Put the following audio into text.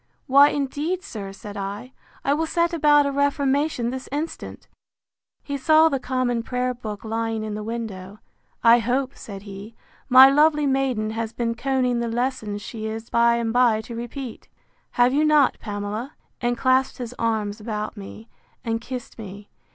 Why, indeed, sir, said I, I will set about a reformation this instant. He saw the common prayer book lying in the window. I hope, said he, my lovely maiden has been conning the lesson she is by and by to repeat. Have you not, Pamela? and clasped his arms about me, and kissed me.